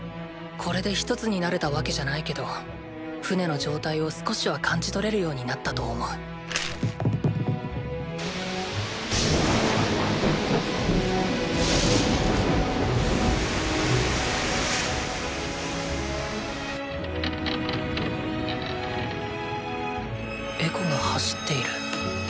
これで一つになれたわけじゃないけど船の状態を少しは感じ取れるようになったと思うエコが走っている。